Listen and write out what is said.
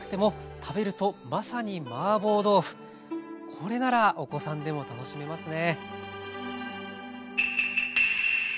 これならお子さんでも楽しめますね。